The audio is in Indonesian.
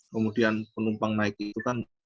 kemudian penumpang naik itu kan